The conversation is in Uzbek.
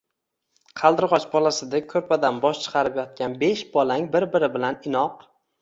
qaldirg'och bolasidek ko"rpadan bosh chiqarib yotgan besh bolang bir-biri bilan inoq